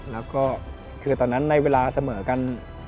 แล้วก็คือตอนนั้นในเวลาเสมอกัน